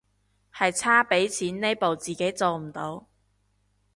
係差畀錢呢步自己做唔到